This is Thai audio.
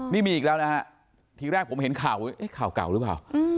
นี่มีอีกแล้วนะฮะทีแรกผมเห็นข่าวข่าวเก่าหรือเปล่า